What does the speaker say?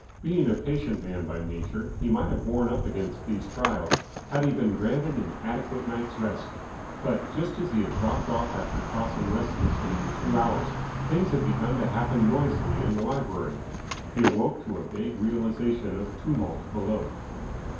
Being a patient man by nature, he might have borne up against these trials, had he been granted an adequate night's rest. But, just as he had dropped off after tossing restlessly for two hours, things had begun to happen noisily in the library. He awoke to a vague realisation of tumult below.